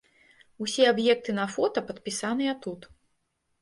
Усе аб'екты на фота падпісаныя тут.